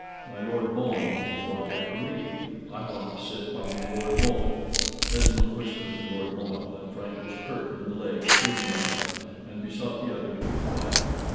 My Lord Mohun should walk after me. I want to sit by my Lord Mohun." Esmond whispered to Lord Mohun, that Frank was hurt in the leg at Oudenarde; and besought the other to be quiet.